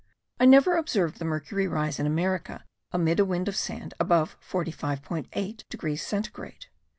I never observed the mercury rise in America, amid a wind of sand, above 45.8 degrees centigrade.